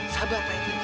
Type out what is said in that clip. jangan aduh aduh